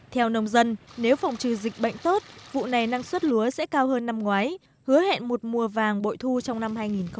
theo nông dân nếu phòng trừ dịch bệnh tốt vụ này năng suất lúa sẽ cao hơn năm ngoái hứa hẹn một mùa vàng bội thu trong năm hai nghìn hai mươi